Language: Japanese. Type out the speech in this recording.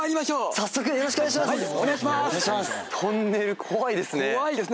早速よろしくお願いします。